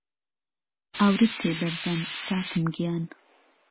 ئاورت تێ بهردام فاتم گیان